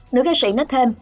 nữ ca sĩ nói thêm